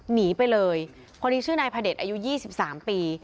หนีไปเลยคนนี้ชื่อนายพระเด็จอายุ๒๓ปี